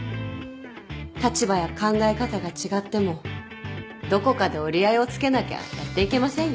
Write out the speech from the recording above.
立場や考え方が違ってもどこかで折り合いをつけなきゃやっていけませんよ。